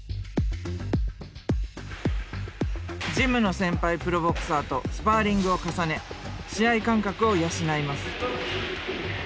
ジムの先輩プロボクサーとスパーリングを重ね試合感覚を養います。